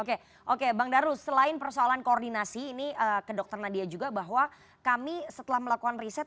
oke oke bang darul selain persoalan koordinasi ini ke dokter nadia juga bahwa kami setelah meminta pertanyaan dari bapak